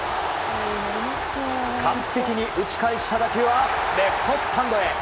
完璧に打ち返した打球はレフトスタンドへ。